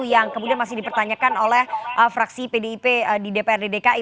yang kemudian masih dipertanyakan oleh fraksi pdip di dprd dki